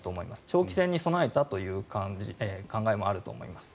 長期戦に備えているということもあると思います。